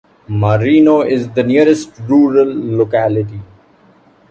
Marino is the nearest rural locality.